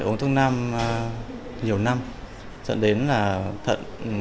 uống thuốc nam nhiều năm dẫn đến là thận